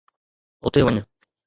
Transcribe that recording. اتي وڃ.